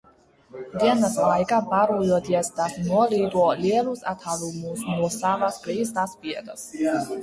Dienas laikā barojoties tas nolido lielus attālumus no savas ligzdas vietas.